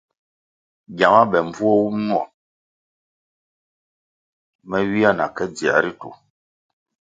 Gyama be mbvuo wum nwo me ywia na ke dziē ritu.